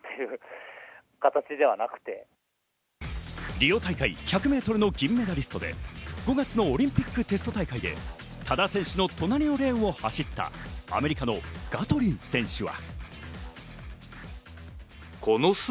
リオ大会１００ｍの銀メダリストで、５月のオリンピックテスト大会で多田選手の隣のレーンを走ったアメリカのガトリン選手は。